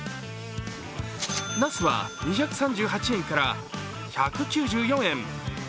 なすは、２３８円から１９４円。